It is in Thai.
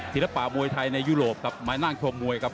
ศิลปะมวยไทยในยุโรปครับมานั่งชมมวยครับ